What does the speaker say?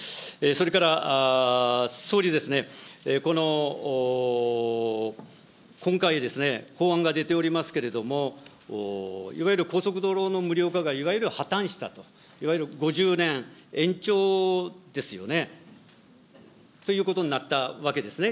それから総理ですね、この今回、法案が出ておりますけれども、いわゆる高速道路の無料化がいわゆる破綻したと、いわゆる５０年延長ですよね、ということになったわけですね。